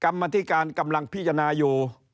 กรรมธิการกำลังพิจารณาอยู่